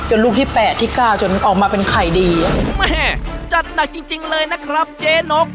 ลูกที่แปดที่เก้าจนออกมาเป็นไข่ดีแม่จัดหนักจริงจริงเลยนะครับเจ๊นก